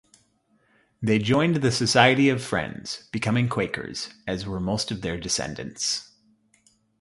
They joined the Society of Friends, becoming Quakers, as were most of their descendants.